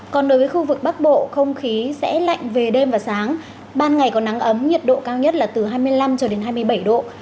còn đối với khu vực bắc bộ không khí sẽ lạnh về đêm và sáng ban ngày có nắng ấm nhiệt độ cao nhất là từ hai mươi năm cho đến hai mươi bảy độ